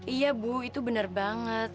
iya bu itu benar banget